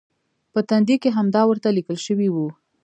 په تندي کې همدا ورته لیکل شوي و.